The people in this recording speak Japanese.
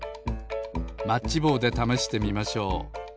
マッチぼうでためしてみましょう。